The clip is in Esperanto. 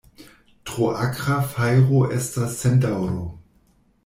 Tro akra fajro estas sen daŭro.